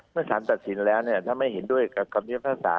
เมื่อสารตัดสินแล้วถ้าไม่เห็นด้วยกับคำพิพากษา